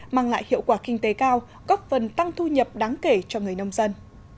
mang lại hiệu quả kinh tế cao góp phần tăng thu nhập đáng kể cho người nông dân